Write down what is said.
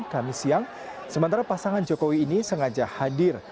kami siang sementara pasangan jokowi ini sengaja hadir